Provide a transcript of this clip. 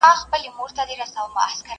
ما خوبونه وه لیدلي د بېړۍ د ډوبېدلو!.